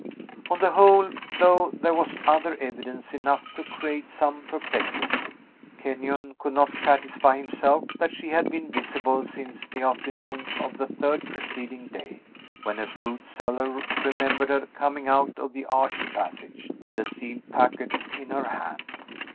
On the whole, though there was other evidence enough to create some perplexity, Kenyon could not satisfy himself that she had been visible since the afternoon of the third preceding day, when a fruit seller remembered her coming out of the arched passage, with a sealed packet in her hand.